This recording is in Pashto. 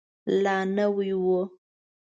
لا نوی و.